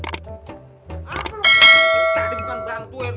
apa lu kita bukan bantuin